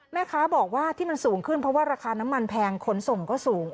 แม่ค้าบอกว่าที่มันสูงขึ้นเพราะว่าราคาน้ำมันแพงขนส่งก็สูง